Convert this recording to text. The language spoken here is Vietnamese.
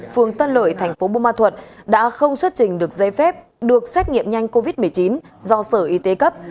phường tân lợi tp bù ma thuật đã không xuất trình được dây phép được xét nghiệm nhanh covid một mươi chín do sở y tế cấp